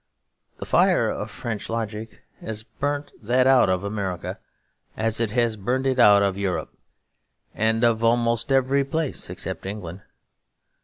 The fire of French logic has burnt that out of America as it has burnt it out of Europe, and of almost every place except England.